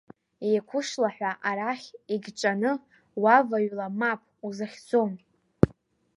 Еиқәышлаҳәа, арахь егьҿаны, уаваҩла, мап, узахьӡом.